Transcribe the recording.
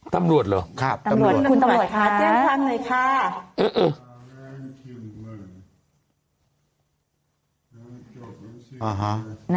ตำรวจหรือครับตำรวจคุณตำรวจค่ะตำรวจค่ะเตรียมทางหน่อยค่ะ